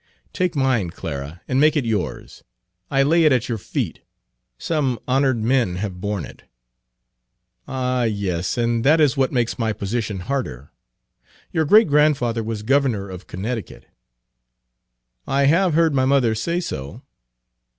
"Take mine, Clara, and make it yours; I lay it at your feet. Some honored men have borne it." "Ah yes, and that is what makes my position the harder. Your great grandfather was governor of Connecticut." "I have heard my mother say so."